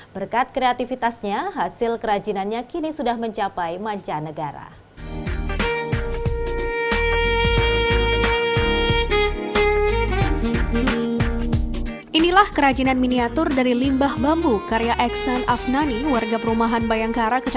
berkat kreativitasnya hasil kerajinannya kini sudah mencapai manca negara